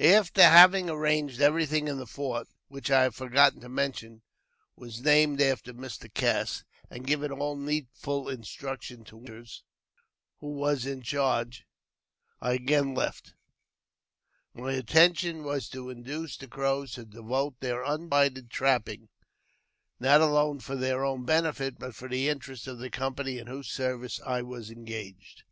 I AFTER having arranged everything in the fort (which I have forgotten to mention we named after Mr. Cass), I and given all needful instructions to Winters, who was ; in charge, I again left. My intention was to induce the ': Crows to devote their undivided attention to trapping, not I alone for their own benefit, but for the interest of the company 1 in whose service I was engaged.